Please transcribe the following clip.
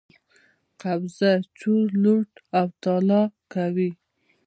قبضه، چور، لوټ او تالا کوي.